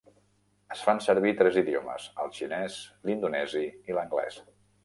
Es fan servir tres idiomes, el xinès, l'indonesi i l'anglès.